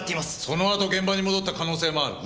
その後現場に戻った可能性もある。